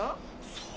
そう？